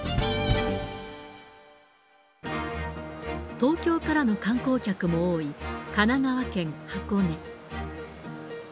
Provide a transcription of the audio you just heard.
東京からの観光客も多い、神奈川県箱根。